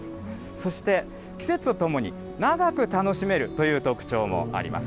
そして季節とともに長く楽しめるという特徴もあります。